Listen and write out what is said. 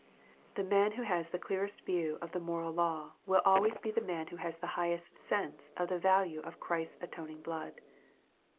The man who has the clearest view of the moral law, will always be the man who has the highest sense of the value of Christ's atoning blood.